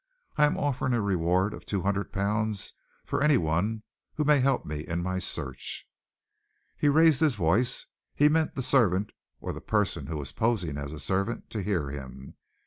I am offering a reward of two hundred pounds for any one who may help me in my search." He raised his voice. He meant the servant, or the person who was posing as a servant, to hear him.